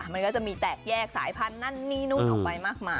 มันก็จะมีแตกแยกสายพันธุ์นั่นนี่นู่นออกไปมากมาย